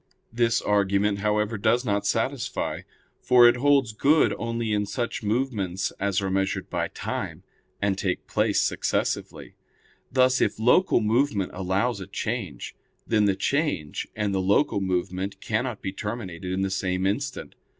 This argument, however, does not satisfy. For it holds good only in such movements as are measured by time, and take place successively; thus, if local movement follows a change, then the change and the local movement cannot be terminated in the same instant.